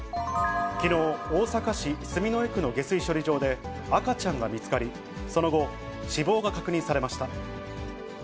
きのう、大阪市住之江区の下水処理場で、赤ちゃんが見つかり、その後、死亡が確認されました。